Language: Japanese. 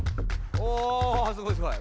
おすごいすごい。